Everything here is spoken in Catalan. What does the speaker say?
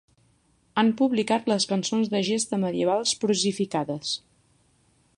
Han publicat les cançons de gesta medievals prosificades.